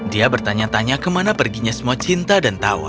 dia bertanya tanya kemana perginya semua cinta dan tawa